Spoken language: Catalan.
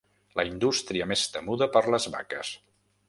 La indústria més temuda per les vaques.